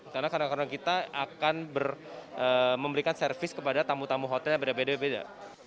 karena karyawan karyawan kita akan memberikan servis kepada tamu tamu hotel yang beda beda